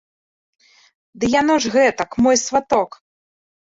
Ды яно ж гэтак, мой сваток.